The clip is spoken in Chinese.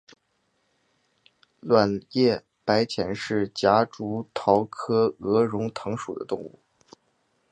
卵叶白前是夹竹桃科鹅绒藤属的植物。